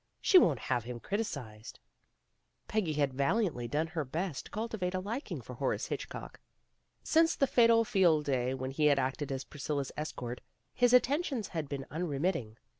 She won't have him criticized. '' Peggy had valiantly done her best to culti vate a liking for Horace Hitchcock. Since the fatal Field Day when he had acted as Priscilla's escort, his attentions had been unremitting.